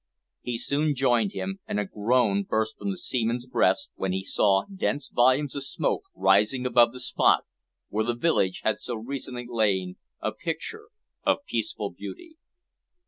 He soon joined him, and a groan burst from the seaman's breast when he saw dense volumes of smoke rising above the spot where the village had so recently lain a picture of peaceful beauty.